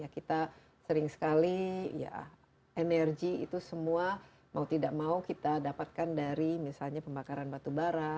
kita sering sekali ya energi itu semua mau tidak mau kita dapatkan dari misalnya pembakaran batu bara